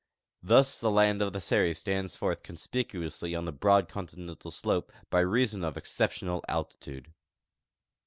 Thus the land of the Seri stands forth conspicuously on the broad continental slope by reason of exceptional altitude.